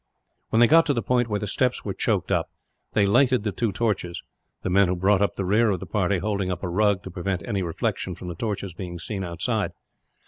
When they got to the point where the steps were choked up, they lighted the two torches the men who brought up the rear of the party holding up a rug, to prevent any reflection from the torches being seen outside.